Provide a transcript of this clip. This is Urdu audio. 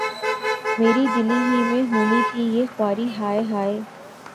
میری‘ دلی ہی میں ہونی تھی یہ خواری‘ ہائے ہائے!